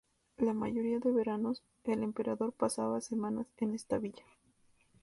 La mayoría de veranos, el emperador pasaba semanas en esta villa.